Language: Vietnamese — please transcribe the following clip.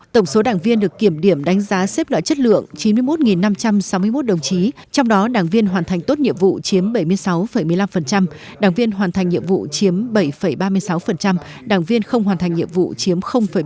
tổng số đảng viên được kiểm điểm đánh giá xếp loại chất lượng chín mươi một năm trăm sáu mươi một đồng chí trong đó đảng viên hoàn thành tốt nhiệm vụ chiếm bảy mươi sáu một mươi năm đảng viên hoàn thành nhiệm vụ chiếm bảy ba mươi sáu đảng viên không hoàn thành nhiệm vụ chiếm một mươi bảy